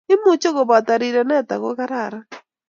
Imuchi kobo rirenet ako kararan